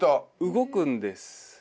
動くんです。